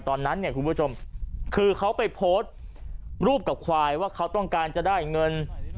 ตอนนั้นเนี่ยคุณผู้ชมคือเขาไปโพสต์รูปกับควายว่าเขาต้องการจะได้เงิน